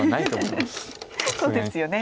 そうですよね